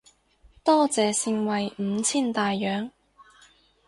多謝盛惠五千大洋